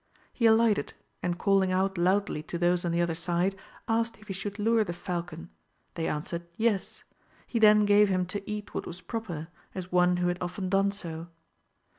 He alighte'd, and calling out loudly to those on the other side, asked if he should lure the falcon ? they answered yes ; he then gave him to eat what was proper, as one who had often done so.